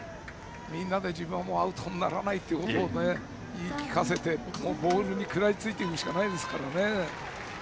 みんなで自分がアウトにならないように言い聞かせてボールに食らいついていくしかないですからね。